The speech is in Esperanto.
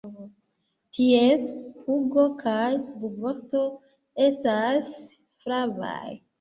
Ties pugo kaj subvosto estas flavaj.